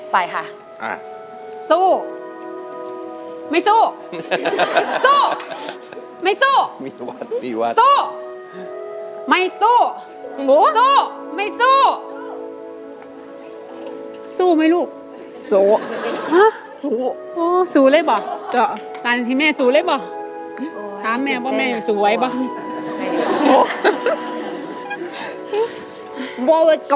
ไปค่ะสู้ไม่สู้สู้ไม่สู้สู้ไม่สู้สู้ไม่สู้สู้ไม่สู้สู้ไม่สู้สู้ไม่สู้สู้ไม่สู้สู้ไม่สู้สู้